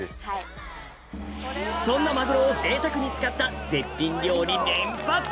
そんなマグロを贅沢に使った絶品料理連発！